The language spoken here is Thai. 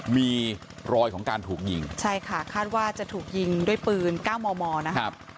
มีรอยของการถูกยิงใช่ค่ะคาดว่าจะถูกยิงด้วยปืน๙มมนะครับ